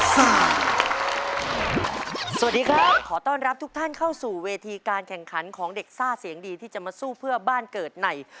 สวัสดีครับขอต้อนรับทุกท่านเข้าสู่เวทีการแข่งขันของเด็กซ่าเสียงดีที่จะมาสู้เพื่อบ้านเกิดใน